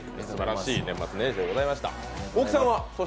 すばらしい年末年始でございました。